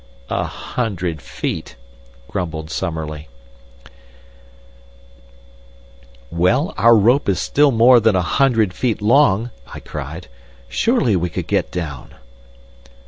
"A hundred feet!" grumbled Summerlee. "Well, our rope is still more than a hundred feet long," I cried. "Surely we could get down."